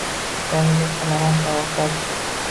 Tikaniga qilaman toqat.